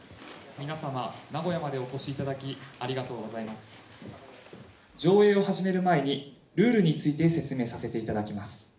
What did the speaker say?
皆様名古屋までお越しいただきありがとうございます上映を始める前にルールについて説明させていただきます